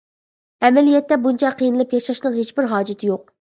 ئەمەلىيەتتە بۇنچە قىينىلىپ ياشاشنىڭ ھېچبىر ھاجىتى يوق.